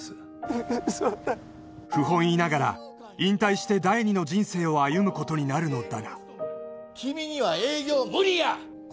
ウソだ不本意ながら引退して第二の人生を歩むことになるのだが君には営業無理や！